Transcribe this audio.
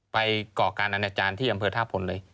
ก่อการอนาจารย์ที่อำเภอท่าพลเลย